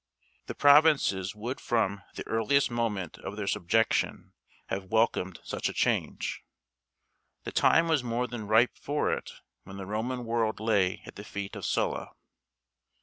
The provinces would from the earliest moment of their subjection have welcomed such a change. The time was more than ripe for it when the Roman world lay at the feet of Sulla.